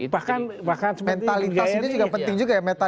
bahkan mentalitasnya juga penting juga ya